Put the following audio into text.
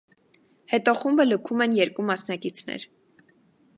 Հետո խումբը լքում են երկու մասնակիցներ։